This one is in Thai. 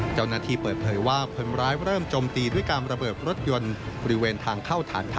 เจ้าหน้าที่เปิดเผยว่าคนบร้ายเริ่มจมตีด้วยการระเบิดรถยนต์